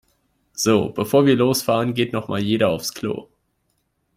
So, bevor wir losfahren, geht noch mal jeder aufs Klo.